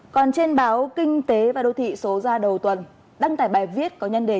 còn trên báo kinh tế và đô thị số ra đầu tuần đăng tải bài viết